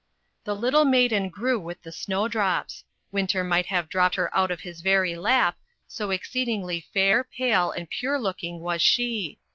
The little maiden grew with the snowdrops. Winter might have dropped her out of his very lap, so exceedingly fair, pale, and pure looking was she.